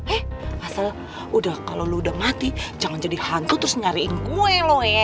eh asal udah kalo lo udah mati jangan jadi hangga terus nyariin gue lo ye